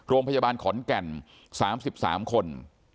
โรงพยาบาลขอนแก่น๓๓คน